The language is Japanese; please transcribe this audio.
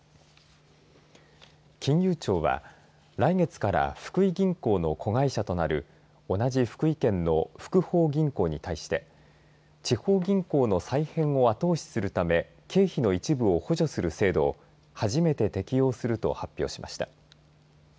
金融庁は来月から福井銀行の子会社となる同じ福井県の福邦銀行に対して地方銀行の再編を後押しするため経費の一部を補助する制度を初めて適用すると発表しました。